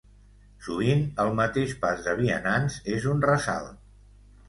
Sovint el mateix pas de vianants és un ressalt.